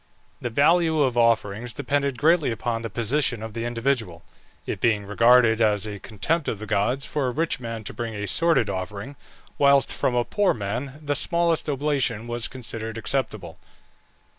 The value of offerings depended greatly upon the position of the individual; it being regarded as a contempt of the gods for a rich man to bring a sordid offering, whilst from a poor man the smallest oblation was considered acceptable.